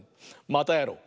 またやろう！